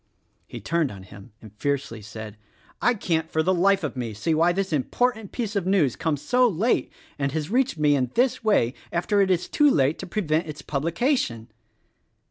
He turned on him and fiercely said, "I can't for the life of me see why this important piece of news comes so late, and has reached me in this way after it is too late to prevent its publication."